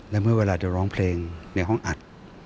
และเมื่อเวลาจะร้องเพลงในห้องอัด